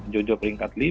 jojo peringkat lima